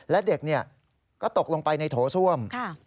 และเด็กก็ตกลงไปในโถส้วม